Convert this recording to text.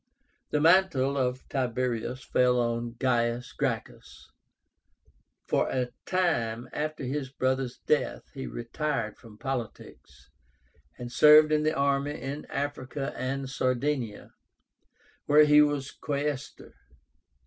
The mantle of Tiberius fell on GAIUS GRACCHUS. For a time after his brother's death he retired from politics, and served in the army in Africa and Sardinia, where he was Quaestor.